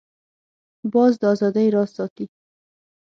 باز د آزادۍ راز ساتي